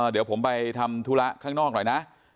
เดี๋ยวผมไปทำธุระข้างนอกหน่อยนะ